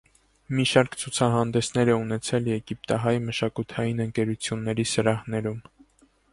Մի շարք ցուցահանդեսներ է ունեցել եգիպտահայ մշակութային ընկերությունների սրահներում։